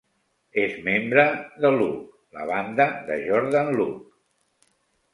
És membre de Luck, la banda de Jordan Luck.